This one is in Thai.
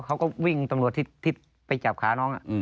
เขาก็วิ่งตำรวจที่ไปจับขาน้อง